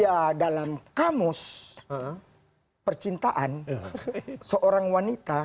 ya dalam kamus percintaan seorang wanita